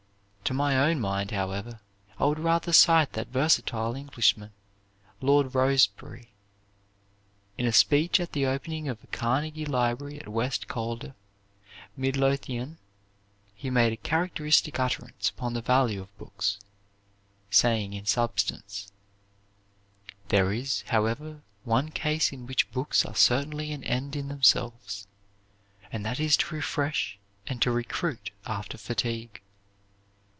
To my own mind, however, I would rather cite that versatile Englishman, Lord Rosebery. In a speech at the opening of a Carnegie library at West Calder, Midlothian, he made a characteristic utterance upon the value of books, saying in substance: "There is, however, one case in which books are certainly an end in themselves, and that is to refresh and to recruit after fatigue.